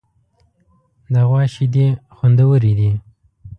د غوا شیدې خوندورې دي.